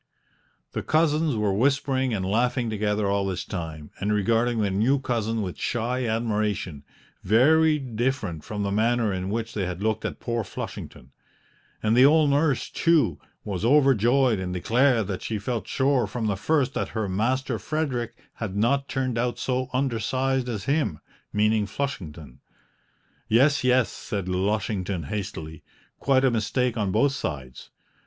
The cousins were whispering and laughing together all this time and regarding their new cousin with shy admiration, very different from the manner in which they had looked at poor Flushington; and the old nurse, too, was overjoyed and declared that she felt sure from the first that her Master Frederick had not turned out so undersized as him meaning Flushington. "Yes, yes," said Lushington hastily, "quite a mistake on both sides.